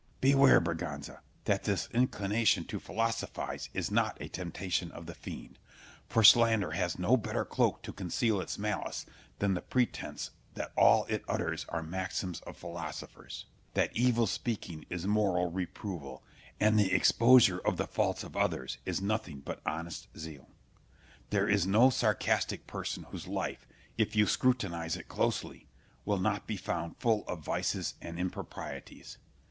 Scip. Beware, Berganza, that this inclination to philosophise is not a temptation of the fiend; for slander has no better cloak to conceal its malice than the pretence that all it utters are maxims of philosophers, that evil speaking is moral reproval, and the exposure of the faults of others is nothing but honest zeal. There is no sarcastic person whose life, if you scrutinise it closely, will not be found full of vices and improprieties.